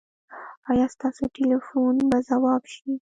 ایا ستاسو ټیلیفون به ځواب شي؟